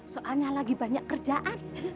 soalnya lagi banyak kerjaan